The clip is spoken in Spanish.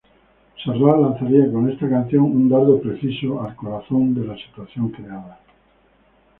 Serrat lanzaría con esta canción "un dardo preciso" al corazón de la situación creada.